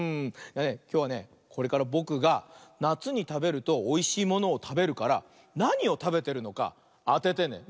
きょうはねこれからぼくがなつにたべるとおいしいものをたべるからなにをたべてるのかあててね。